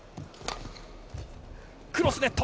クロスネット。